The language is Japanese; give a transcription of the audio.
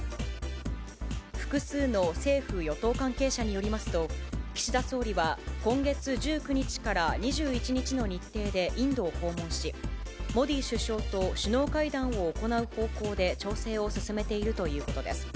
複数の政府・与党関係者によりますと、岸田総理は今月１９日から２１日の日程でインドを訪問し、モディ首相と首脳会談を行う方向で調整を進めているということです。